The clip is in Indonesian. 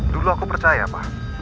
dulu aku percaya pak